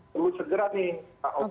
perlu segera nih